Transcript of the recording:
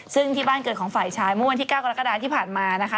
ซึ่งที่บ้านเกิดของฝ่ายชายเมื่อวันที่๙กรกฎาที่ผ่านมานะคะ